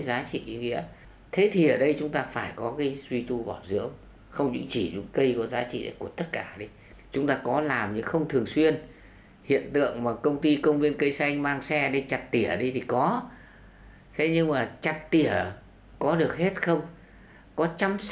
sẵn đến việc nhiều cây xanh tại các trường gãy đổ